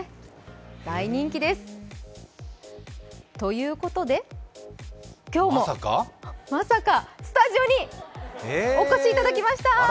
大人気です。ということで、今日も、まさかスタジオにお越しいただきました。